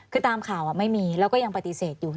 คือตามข่าวไม่มีแล้วก็ยังปฏิเสธอยู่